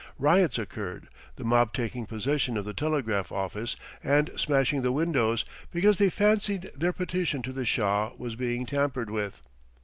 Riots occurred, the mob taking possession of the telegraph office and smashing the windows, because they fancied their petition to the Shah was being tampered with.